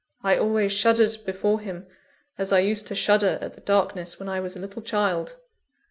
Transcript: I always shuddered before him, as I used to shudder at the darkness when I was a little child!